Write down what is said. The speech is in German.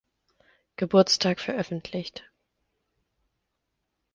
Geburtstag veröffentlicht.